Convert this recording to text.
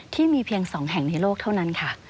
เพียง๒แห่งในโลกเท่านั้นค่ะ